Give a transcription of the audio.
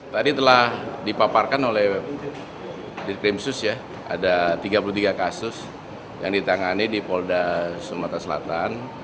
tadi telah dipaparkan oleh dikrimsus ya ada tiga puluh tiga kasus yang ditangani di polda sumatera selatan